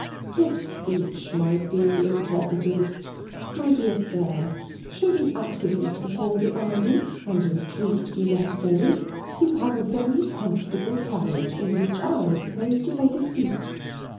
This speech might be interpreted, "My dear sir, should an accident befall the army, and a retreat be necessary, you have a very comfortable carriage, in which I propose to take a seat."